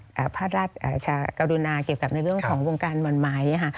มีพระราชกรุณาเกี่ยวกับในเรื่องของวงการหม่อนไหม